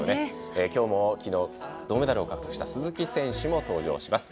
今日も昨日、銅メダルを獲得した鈴木選手も登場します。